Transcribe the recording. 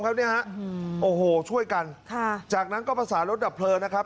เขาเนี่ยฮะโอ้โหช่วยกันค่ะจากนั้นก็ประสานรถดับเพลิงนะครับ